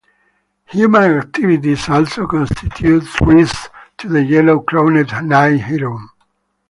Human activities also constitute threats to the yellow-crowned night heron.